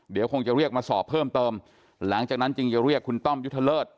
เดี๋ยวคงจะเรียกมาสอบเพิ่มเติมหลังจากนั้นจึงจะเรียกคุณต้อมยุทธเลิศ